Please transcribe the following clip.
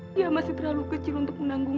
dia masih terlalu kecil untuk menanggung